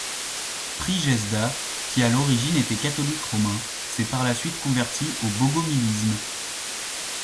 Prijezda, qui à l'origine était catholique romain, s'est par la suite converti au bogomilisme.